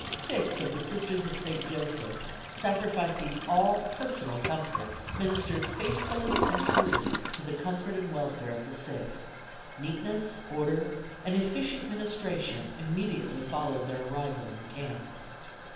six of 'The Sisters of St. Joseph,' sacrificing all personal comfort, ministered faithfully and truly to the comfort and welfare of the sick. Neatness, order and efficient ministration immediately followed their arrival in the camp.